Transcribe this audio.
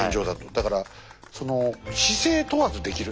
だから「姿勢問わずできる」。